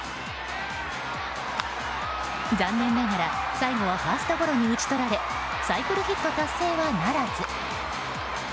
残念ながら最後はファーストゴロに打ち取られサイクルヒット達成はならず。